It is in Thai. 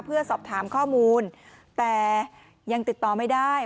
เพื่อสอบถามข้อมูลแต่ยังติดต่อไม่ได้